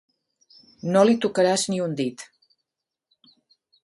No li tocaràs ni un dit!».